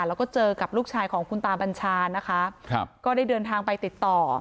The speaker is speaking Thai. แล้วก็เจอกับลูกชายของคุณตาบัญชานะคะครับก็ได้เดินทางไปติดต่อ